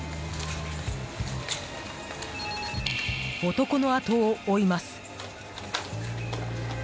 男の後を追います。